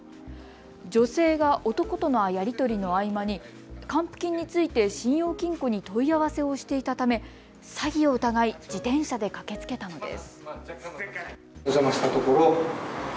女性が男とのやり取りの合間に還付金について信用金庫に問い合わせをしていたため詐欺を疑い、自転車で駆けつけたのです。